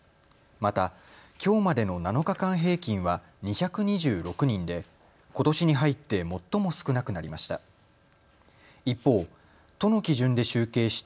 また、きょうまでの７日間平均は２２６人でことしに入って最も少なくなりました。